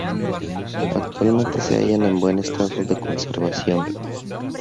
Actualmente se hallan en buen estado de conservación.